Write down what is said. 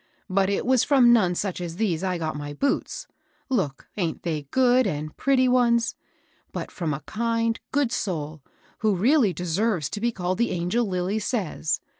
But it was from none such as these I got my boots, — lookl aint they good and pretty ones? — but from a kind, good soul, who really deserves to be called the angel Lilly says.